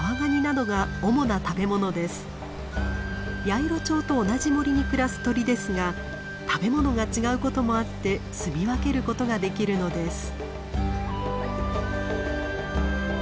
ヤイロチョウと同じ森に暮らす鳥ですが食べ物が違うこともあってすみ分けることができるのです。